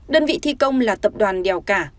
đơn vị thi công là tập đoàn đèo cả